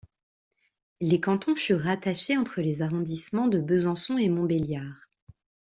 Les cantons furent rattachés entre les arrondissements de Besançon et Montbéliard.